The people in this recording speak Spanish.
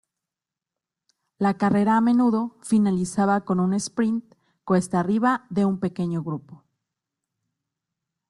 La carrera a menudo finalizaba con un "sprint" cuesta arriba de un pequeño grupo.